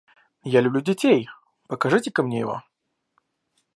Я люблю детей: покажите-ка мне его.